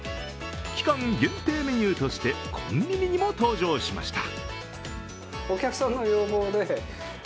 期間限定メニューとして、コンビニにも登場しました。